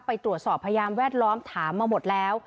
ไปตรวจสอบพยานแวดล้อมถามมาหมดแล้ว